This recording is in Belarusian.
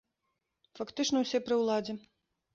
Фактычна, усе пры ўладзе.